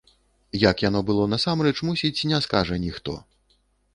Як яно было насамрэч, мусіць, не скажа ніхто.